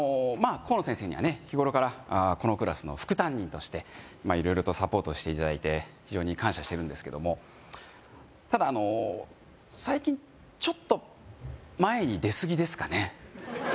コウノ先生にはね日頃からこのクラスの副担任としてまあ色々とサポートしていただいて非常に感謝してるんですけどもただあの最近ちょっと前に出過ぎですかね